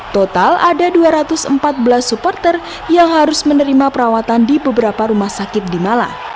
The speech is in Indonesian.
total ada dua ratus empat belas supporter yang harus menerima perawatan di beberapa rumah sakit di malang